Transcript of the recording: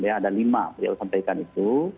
ada lima beliau sampaikan itu